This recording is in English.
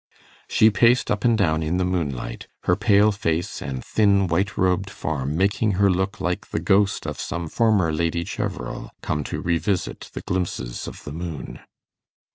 She paced up and down in the moonlight, her pale face and thin white robed form making her look like the ghost of some former Lady Cheverel come to revisit the glimpses of the moon.